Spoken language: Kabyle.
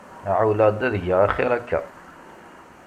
Ɛewleɣ-d ad geɣ axiṛ akka.